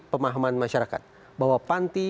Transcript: pemahaman masyarakat bahwa panti